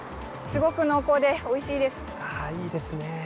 すごく濃厚で、おいしいです。いいですね。